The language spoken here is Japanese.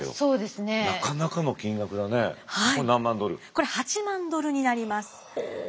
これ８万ドルになります。